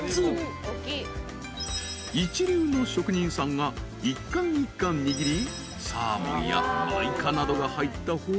［一流の職人さんが一貫一貫握りサーモンや真イカなどが入った本格ずし。